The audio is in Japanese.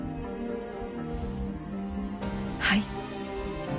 はい。